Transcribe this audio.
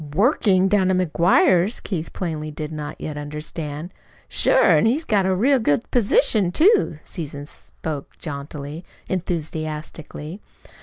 "WORKING! Down to MCGUIRE'S!" Keith plainly did not yet understand. "Sure! An' he's got a real good position, too." Susan spoke jauntily, enthusiastically.